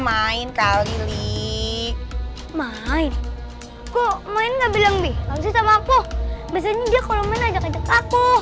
main kali li main kok main gak bilang biasa sama aku biasanya dia kalau main ajak ajak aku